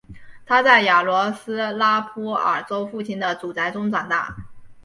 他在雅罗斯拉夫尔州父亲的祖宅中长大。